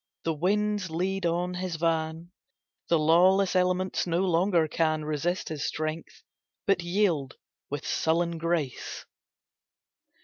The winds lead on his van; The lawless elements no longer can Resist his strength, but yield with sullen grace.